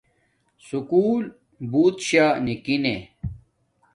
سکُول بوت شاہ نیکی نے